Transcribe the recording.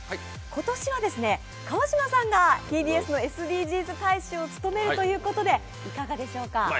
今年は川島さんがＴＢＳのＳＤＧｓ大使を務めるということで、いかがでしょうか。